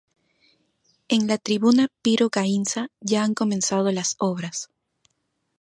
En la Tribuna Piru Gaínza ya han comenzado las obras.